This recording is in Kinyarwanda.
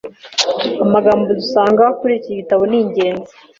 amagambo dusanga kuriki gitabo ningenzi